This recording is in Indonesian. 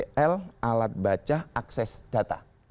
kl alat baca akses data